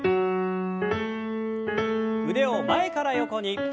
腕を前から横に。